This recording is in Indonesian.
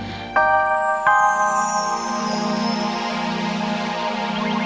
sampai jumpa lagi